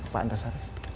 ke pak antasari